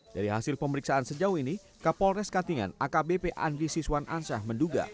dari hasil pemeriksaan sejauh ini kapolres katingan akbp andi siswan ansyah menduga